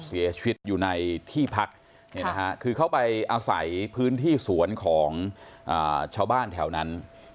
เสียชีวิตอยู่ในที่พักคือเขาไปอาศัยพื้นที่สวนของชาวบ้านแถวนั้น